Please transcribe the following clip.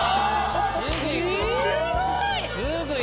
すごい！